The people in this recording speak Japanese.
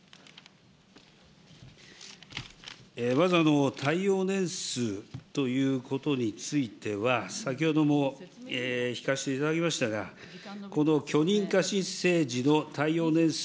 まず耐用年数ということについては、先ほども聞かせていただきましたが、この許認可申請時の耐用年数